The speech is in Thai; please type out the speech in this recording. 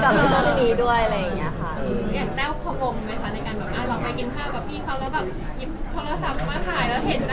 ใครต้องห่วงติดหรือไม่ติด